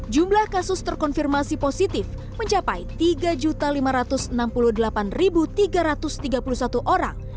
jumlah kasus terkonfirmasi positif mencapai tiga lima ratus enam puluh delapan tiga ratus tiga puluh satu orang